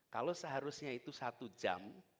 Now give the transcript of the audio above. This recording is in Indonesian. kalau seharusnya itu satu jam